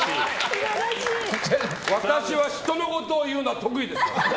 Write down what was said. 私は人のことを言うのは得意です。